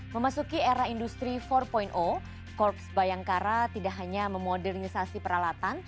memasuki era industri empat korps bayangkara tidak hanya memodernisasi peralatan